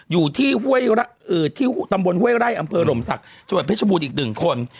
อยู่ที่ตำบลห้วยไร่อำเภอหลมศักดิ์จังหวัดเพชรบูรอีก๑คน